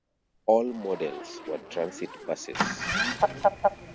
All models were transit buses.